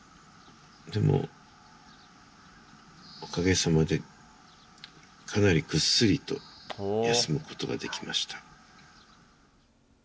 でも、おかげさまでかなりぐっすりと休むことができました。